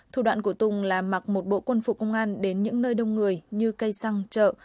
thủ đoạn của tùng là mặc một bộ quân phục công an đến những nơi đông người như cây xăng chợ